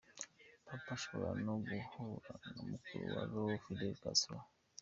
Papa ashobora no guhura na mukuru wa Raul, Fidel Castro.